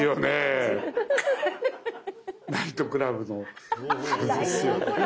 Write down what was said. ナイトクラブ。